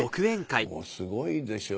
もうすごいでしょ？